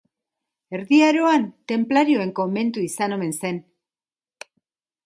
Erdi Aroan tenplarioen komentu izan omen zen.